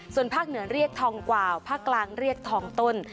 ส่วนภาคเหนือเรียกทองกว่าวภาคกลางเรียกทองต้น